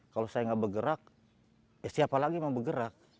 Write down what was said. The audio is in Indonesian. kalau saya nggak bergerak ya siapa lagi mau bergerak